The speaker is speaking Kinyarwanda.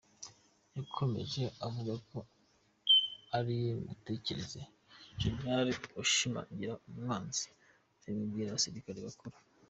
Yakomeje avuga ati “mutekereze Jenerali ashimagiza umwanzi, abibwira abasirikare bakuru.”